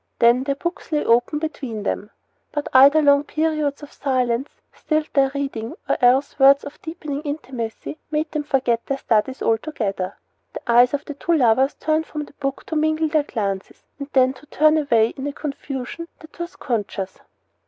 Then their books lay open between them; but either long periods of silence stilled their reading, or else words of deepening intimacy made them forget their studies altogether. The eyes of the two lovers turned from the book to mingle their glances, and then to turn away in a confusion that was conscious.